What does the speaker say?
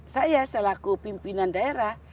saya selaku pimpinan daerah